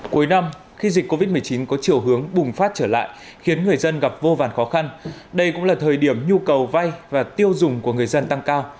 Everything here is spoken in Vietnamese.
cuối năm khi dịch covid một mươi chín có chiều hướng bùng phát trở lại khiến người dân gặp vô vàn khó khăn đây cũng là thời điểm nhu cầu vay và tiêu dùng của người dân tăng cao